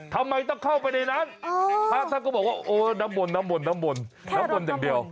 ทำไมต้องเข้าไปในนั้นพระท่านก็บอกว่าน้ำบ่นแค่น้ำบ่นอย่างเดียว